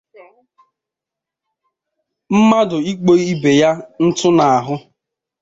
mmadụ ikpo ibè ya ntụ n'ahụ